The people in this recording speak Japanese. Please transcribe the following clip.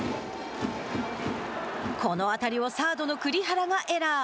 この当たりをサードの栗原がエラー。